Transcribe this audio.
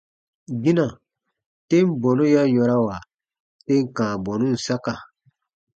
Gina, tem bɔnu ya yɔ̃rawa tem kãa bɔnun saka.